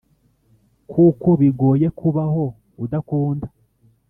Kuko bigoye kubaho udakunda